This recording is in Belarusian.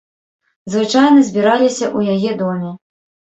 Звычайна збіраліся ў яе доме.